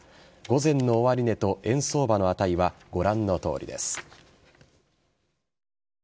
午前の終値と円相場の値はご覧のとおりです。